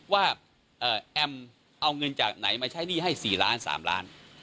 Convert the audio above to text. ว่าแอมเอาเงินจากไหนมาใช้หนี้ให้๔ล้าน๓ล้าน